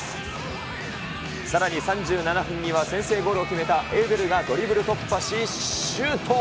さらに３７分には、先制ゴールを決めたエウベルがドリブル突破し、シュート。